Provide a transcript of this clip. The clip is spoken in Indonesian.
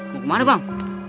mau kemana bang